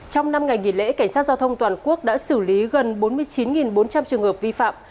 trong năm ngày nghỉ lễ cảnh sát giao thông toàn quốc đã xử lý gần bốn mươi chín bốn trăm linh trường hợp vi phạm